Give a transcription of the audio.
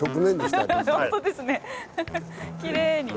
きれいに。